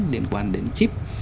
liên quan đến chip